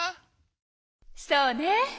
そうね！